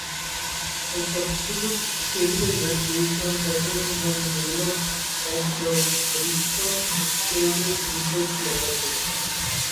A substitute stabilizer based on petroleum was developed at the Bruceton Explosives Research Laboratory.